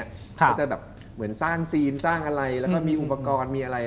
ก็จะแบบเหมือนสร้างซีนสร้างอะไรแล้วก็มีอุปกรณ์มีอะไร